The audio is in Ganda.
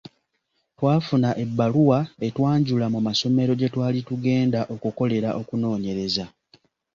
Twafuna ebbaluwa etwanjula mu masomero gye twali tugenda okukolera okunoonyereza.